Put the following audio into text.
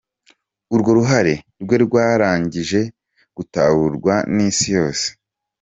Urwo ruhare rwe rwarangije gutahurwa n’isi yose.